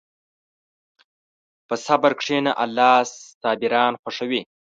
په صبر کښېنه، الله صابران خوښوي.